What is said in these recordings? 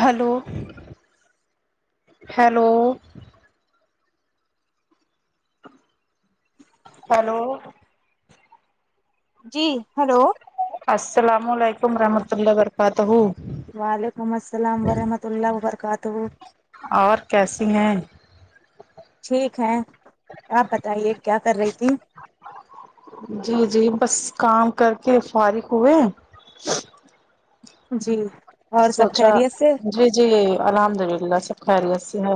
hello hello hello جی hello السلام علیکم رحمۃ اللہ و برکاتہ وعلیکم السلام ورحمۃ اللہ وبرکاتہ اور کیسی ہیں ٹھیک ہے آپ بتائیے کیا کر رہی تھی جی جی بس کام کر کے فارغ ہوئے جی اور سب سوچا خیریت سے جی جی الحمدلللہ سب خیریت سے ہے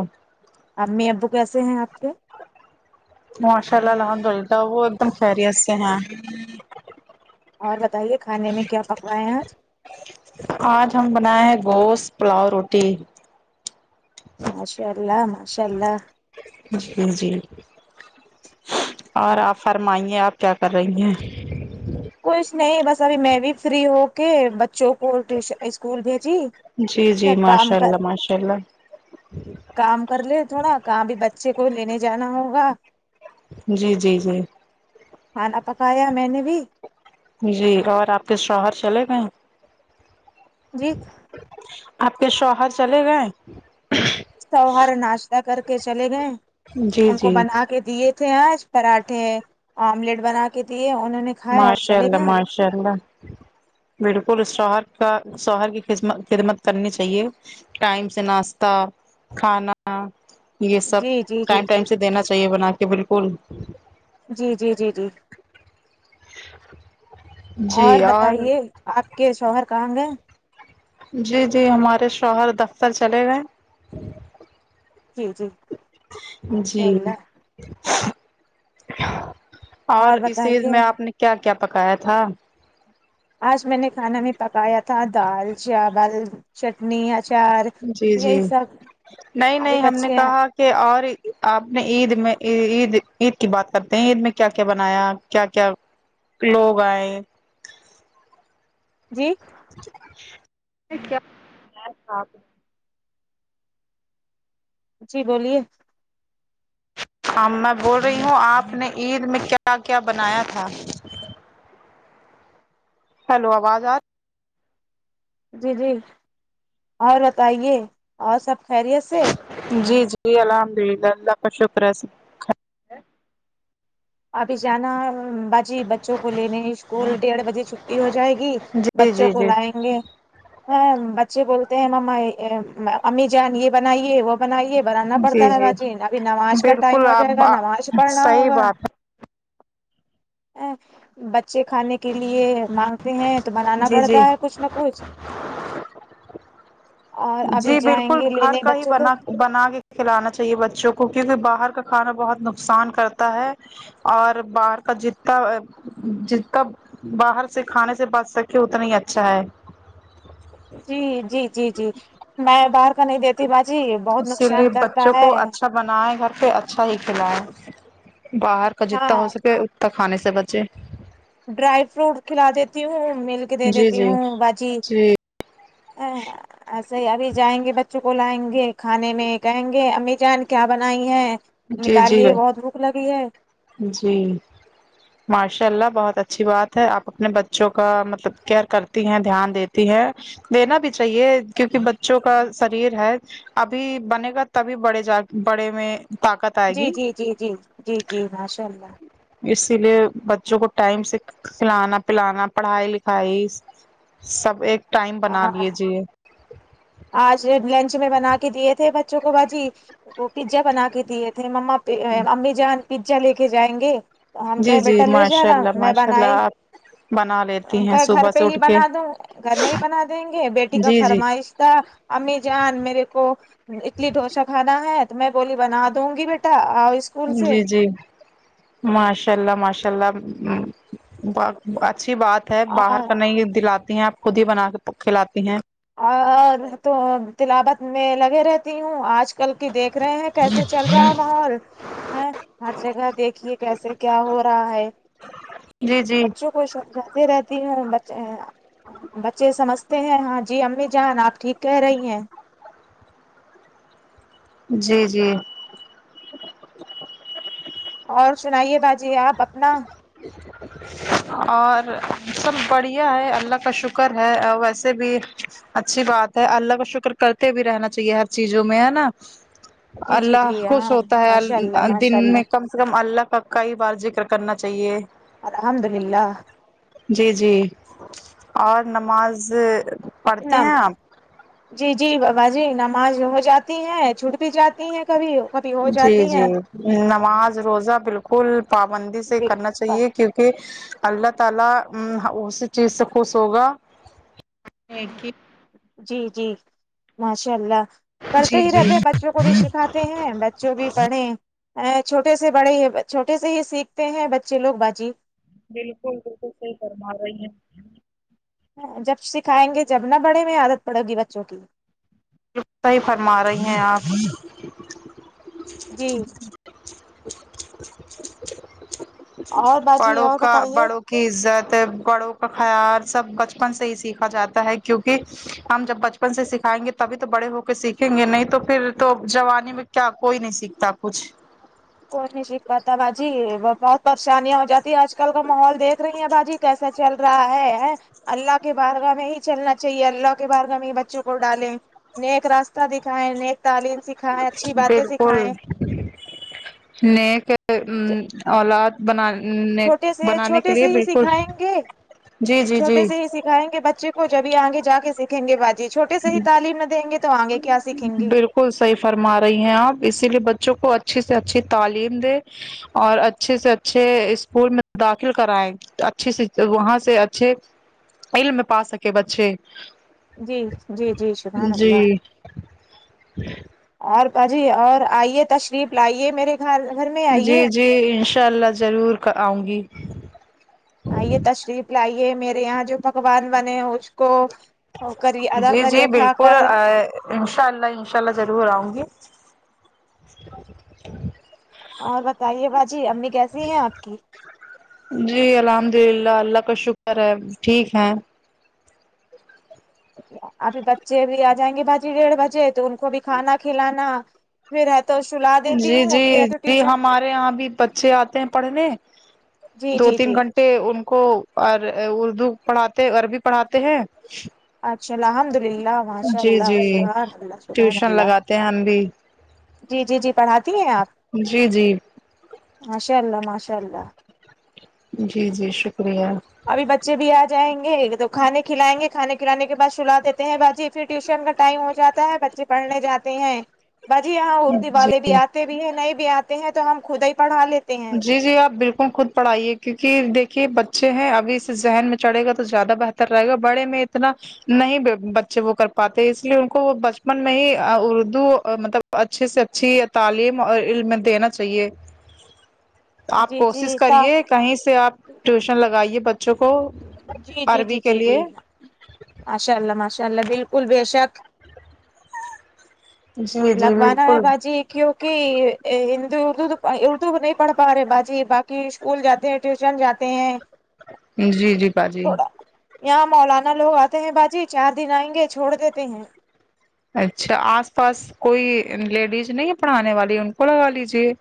امی ابو کیسے ہیں آپ کے ماشاءاللہ الحمدللہ وہ ایک دم خیریت سے ہیں اور بتائیے کھانے میں کیا پکہ ہیں آج آج ہم بنائے ہیں گوشت پلاؤ روٹی ماشاءاللہ ماشاءاللہ جی جی اور آپ فرمائیے آپ کیا کر رہی ہیں کچھ نہیں بس ابھی میں بھی فری ہو کے بچوں کو ٹیشن اسکول بھیجی میں کام کر ماشاءاللہ کام کر لے تھوڑا کہاں بھی بچے کو لینے جانا ہوگا جی جی جی کھانا پکایا میں نے بھی جی اور آپ کے شوہر چلے گئے جی آپ کے شوہر چلے گئے شوہر ناشتہ کر کے چلے گئے جی ان کو جی بنا کے دیے تھے آج پراٹھے آملیٹ بنا کے کیتی ہے ماشاء اللہ ماشاء اللہ بالکل شوہر کا شوہر کی خدمت خدمت کرنی چاہیے ٹائم سے ناشتہ کھانا یہ سب جی جی جی ٹائم جی ٹائم سے دینا چاہیے بنا کے بالکل جی جی جی جی اور بتائیے آپ کے شوہر کہاں گے جی جی ہمارے شوہر دفتر چلے گئے جی جی جی ماشاء اللہ اور اس ایج میں آپ نے کیا کیا پکایا تھا آج میں نے کھانا میں پکایا تھا دال چاول چٹنی اچار جی یہی جی سب نہیں آبھی نہیں ہم نے بچے ہیں کہا اور آپ نے عید میں عید عید کی بات کرتے ہیں عید میں کیا کیا بنایا کیا کیا لوگ آئے جی [inaudible] جی بولیے ہاں میں بول رہی ہوں آپ نے عید میں کیا کیا بنایا تھا ہیلو آواز آ جی جی اور بتائیے اور سب خیریت سے جی جی الحمد للہ اللہ کا شکر ہے ابھی جانا ہے باجی جی بچوں کو لینے اسکول ڈیڑھ بجے چھٹی ہو جائے گی جی بچوں جی کو جی لائیں گے ہاں بچے بولتے ہیں ممما امی جان یہ بنائیے وہ بنائیے بنانا جی پڑتا ہے جی باجی ابھی نماز کا ٹائم بالکل ہو آپ جائے گا نماز پڑھنا صحیح ہوگا بات ا بچے کھانے کے لیے مانگتے ہیں تو ہے بنانا جی جی پڑتا ہے کچھ نہ کچھ اور ابھی جی جائیں بالکل گے گھر لینے کا ہی بچوں کو بنا بنا کے کھلانا چاہیے بچوں کو کیونکہ باہر کا کھانا بہت نقصان کرتا ہے اور باہر کا جتتا جیتا باہر سے کھانے سے بچ سکے اتنا ہی اچھا ہے جی جی جی جی میں باہر کا نہیں دیتی باجی بہت اسی لیے نقصان کرتا بچوں ہے کو اچھا بنائے گھر پہ اچھا ہی کھلیں باہر کا جتنا ہو ہاں سکے تو کھانے سے بچے ڈرائی فروٹ کھلا دیتی ہوں ملک دے جی دیتی جی ہوں باجی جی ا ایسے ہی ابھی جائیں گے بچوں کو لائیں گے کھانے میں کہیں گے امی جان کیا بنائی ہیں جی جی نکالیے بھائی بہت بھوک لگی ہے جی ماشاء اللہ بہت اچھی بات ہے آپ اپنے بچوں کا مطلب کیئر کرتی ہیں دھیان دیتی ہیں دینا بھی چاہیے کیونکہ بچوں کا شریر ہے ابھی بنے گا تبھی بڑے جا بڑے میں طاقت آئے جی گی جی جی جی جی جی ماشاء اللہ اسی لیے بچوں کو ٹائم سے کھلانا پلانا پڑھائی لکھائی سب ایک ٹائم بنا ہاں لیجیے آج لنچ میں بنا کے دیے تھے بچوں کو باجی وہ پیزا بنا کے دیے تھے مما امی جان پیزا لے کے جائیں گے تو ہم جی کہیں جی بیٹا لے جا ماشاء نا اللہ میں ماشاء اللہ بنائی آپ بنا لیتی ہم ہیں کہیں گھر صبح سے پہ ہی اٹھ کے بنا دوں گھر میں ہی بنا دیں گے بیٹی کا جی جی فرمائش تھا امی جان میرے کو اتلی ڈھوسا کھانا ہے تو میں بولی بنا دوں گی بیٹا اور اس کو جی جی ماشاء اللہ ماشاء اللہ اچھی بات باہر کر نہیں دلاتی ہیں اپ خود ہی بنا کے پ کےلاتی ہیں اور تو تلاوت میں لگے رہتی ہوں آج کل کل کی دیکھ رہے ہیں کیسے چل رہا ہے ماحول ا ہر جگہ دیکھیے کیسے کیا ہو رہا ہے جی جی بچوں کو سم جاتے رہتی ہوں ب بچے سمجھتے ہیں ہاں جی امی جان آپ ٹھیک کہہ رہی ہیں جی جی اور سنائیے باجی آپ اپنا اور سب بڑھیا ہے اللہ کا شکر ہے ویسے بھی اچھی بات ہے اللہ کا شکر کرتے بھی رہنا چاہیے ہر چیزوں میں ہے نا جی جی اللہ جی خوش ہاں ہوتا ہے ماشاء اللہ ال دن ماشاء میں اللہ کم کم اللہ کا کئی بار ذکر کرنا چاہیے الحمد للہ جی جی اور نماز پڑھتے ہیں آپ نام جی جی با باجی نماز ہو جاتی ہیں چھوٹ بھی جاتی ہیں کبھی ہو کبھی جی جاتی جی ہیں نماز روزہ بالکل پابندی سے کرنا چاہیے بال چاہیے کیونکہ اللہ تعالی اسی چیز سے خوش ہوگا ایک کہ جی جی ماشاء اللہ کرتے جی ہی جی رہتے ب بچوں کو بھی سکھاتے ہیں بچوں بھی پڑھیں ا چھوٹے سے بڑے ہی چھوٹے سے ہی سیکھتے ہیں بچے لوگ باجی بالکل بالکل صحیح فرما رہی ہیں جب سکھائیں گے جب نہ بڑے میں عادت پڑے گی بچوں کی ہی فرما رہی ہیں آپ جی اور باجی بڑوں اور کا بتائیے بڑوں کی عزت بڑوں کا خیال سب بچپن سے ہی سیکھا جاتا ہے کیونکہ ہم جب بچپن سے سکھائیں گے تبھی تو بڑے ہو کے سیکھیں گے نہیں تو پھر تو جوانی میں کیا کوئی نہیں سیکھتا کچھ کوئی نہیں سیکھ پاتا باجی بہت پریشانیاں ہو جاتی ہے آج کل کا ماحول دیکھ رہی ہیں باجی کیسا چل رہا ہے اللہ کے بارگاہ میں ہی چلنا چاہیے اللہ کے بارگاہ میں ہی بچوں کو ڈالیں نیک راستہ دکھائےیں نیک تعلیم سکھائےیں اچھی باتیں بالکل سکھائیں نیک ا اولاد بنانے چھوٹے سے بنانے کے چھوٹے لیے سے ہی بالکل سکھائیں جی جی جی ائیں گے بچے کو جبھی آگے جا کے سیکھیں گے باجی چھوٹے سے ہی تعلیم نہ دیں گے تو تو آگے کیا سیکھیں گے بالکل صحیح فرما رہی ہیں آپ اسی لیے بچوں کو اچھی سے اچھی تعلیم دیں اور اچھے سے اچھے اسکول میں داخل کرائیں اچھے سے وہاں سے اچھے علم پا سکے بچے جی جی جی شبان جی اللہ [inaudible] اور با جی اور آئیے تشریف لائیے میرے گھر گھر میں آئیے جی جی انشاء اللہ ضرور آؤں گی آئیے تشریف لائیے میرے یہاں جو پکوان بنے اس کو کری ادا جی جی کریے کھا بالکل کر انشاء اللہ انشاء اللہ ضرور آؤں گی اور بتائیے باجی امی کیسی ہیں آپ کی جی الحمد للہ اللہ کا شکر ہے ٹھیک ہیں ابھی بچے بھی آ جائیں گے باجی ڈیڑھ بجے تو ان کو بھی کھانا کھلانا پھر ہے تو سلا دیتی جی ہوں اور جی پھر ہے تو جی ٹیوشن ہمارے یہاں بھی بچے آتے ہیں پڑھنے جی جی دو تین جی گھنٹے ان کو اردو پڑھاتے عربی پڑھاتے ہیں اچھا الحمد للہ ماشاء جی اللہ جی شبحان اللہ شبحان ٹیوشن اللہ لگاتے ہیں ہم بھی جی جی جی پڑھاتی ہیں آپ جی جی ماشاء اللہ ماشاء اللہ جی جی شکریہ ابھی بچے بھی آ جائیں گے تو کھانے کھلائیں گے کھانے کھلے کے بعد سلا دیتے ہیں باجی پھر ٹیوشن کا ٹائم ہو جاتا ہے بچے پڑھنے جاتے ہیں باجی یہاں اردو جی والے بھی آتے بھی ہیں نہیں بھی آتے ہیں تو ہم خود ہی پڑھا لیتے ہیں جی جی آپ بالکل خود پڑھائیے کیونکہ دیکھیے بچے ہیں ابھی سے ذہن میں چڑے گا تو زیادہ بہتر رہے گا بڑے میں اتنا نہیں بچے وہ کر پاتے اس لیے ان کو وہ بچپن میں ہی اردو مطلب اچھے سے اچھی تعلیم اور علم دینا چاہیے آپ جی کوشش جی تا کریے کہیں سے آپ ٹیوشن لگائیے ب بچوں کو جی جی عربی جی کے جی لیے جی ماشاء اللہ ماشاء اللہ بالکل بےشک جی جی لگوانا بالکل ہے باجی ایک کیونکہ ہندو اردو اردو نہیں پڑھ پا رہے باجی باقی اسکول جاتے ہیں ٹیوشن جاتے ہیں جی جی باجی تھوڑا یہاں مولانا لوگ آتے ہیں باجی چار دن آئیں گے چھوڑ دیتے ہیں اچھا آس پاس کوئی لیڈیز نہیں ہے پڑھانے والی ان کو لگا لیجیے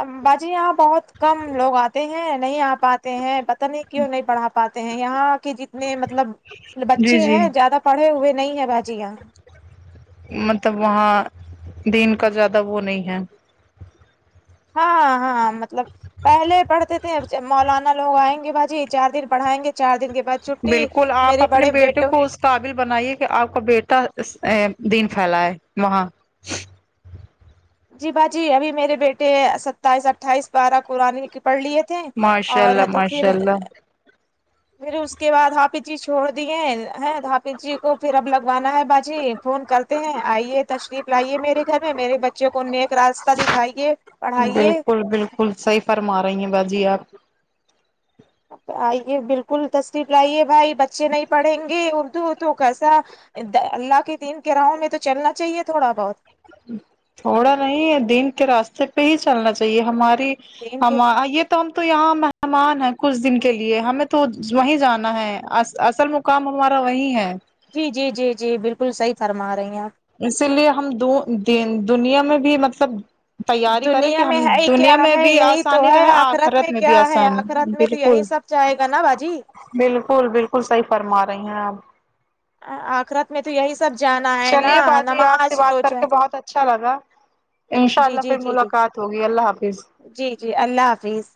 ام باجی یہاں بہت کم لوگ آتے ہیں نہیں آ پاتے ہیں پتہ نہیں کیوں نہیں پڑھا پاتے ہیں یہاں کے جتنے مطلب جی بچے جی ہیں زیادہ پڑھے ہوئے نہیں ہے باجی یہاں مطلب وہاں دن کا زیادہ وہ نہیں ہے ہاں ہاں ہاں مطلب پہلے پڑھتے تھے اب مولانا لوگ آئیں گے باجی چار دن پڑھائیں گے چار دن کے بعد چھٹی بالکل آپ میرے اپنے بڑے بیٹے کو اس قابل بنائیے کہ آپ کا بیٹا س دین پھیلائے وہاں جی باجی ابھی میرے بیٹے ستائیس اٹھائیس پارہ قرآن کی پڑھ لیے تھے ماشاء اور اللہ ہے تو پھر ماشاء اللہ پھر اس کے بعد حافظی چھوڑ دیے ہیں ہ حافظی کو پھر اب لگوانا ہے باجی فون کرتے ہیں آئیے تشریف لائیے میرے گھر میں میرے بچوں کو نیک راس تہ دکھائیے پڑھائیے بالکل بالکل صحیح فرما رہی ہیں باجی آپ آئیے بالکل تشریف لائیے بھائی بچے نہیں پڑھیں گے اردو تو کیسا د اللہ کے دین کے راہوں میں تو چلنا چاہیے تھوڑا بہت تھوڑا نہیں ہے دن کے راستے پہ ہی چلنا چاہیے ہماری دین کے ہم یہ تو ہم تو یہاں مہمان ہیں کچھ دن کے لیے ہمیں تو وہیں جانا ہے ا اص اصل میں کام ہمارا وہیں ہے جی جی جی جی بالکل صحیح فرما رہی ہیں آپ اسی لیے ہم د دین دنیا میں بھی مطلب تیاری کریں کہ دنیا میں ہم ہے ہی دنیا کیا میں ہے بھی یہی تو آسانی ہے رہے آخرت میں بھی کیا ہے آسانی آخرت میں تو بالکل یہی سب جائے گا نا باجی بالکل بالکل صحیح فرما رہی ہیں اپ آخرت میں تو یہی سب جانا ہے نا چلیے باجی آپ سے نماز بات کر روزہ کے بہت اچھا لگا انشاء جی اللہ جی پھر جی جی ملاقات ہوگی اللہ حافظ جی جی اللہ حافظ